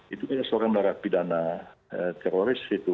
itu adalah seorang merapidana teroris itu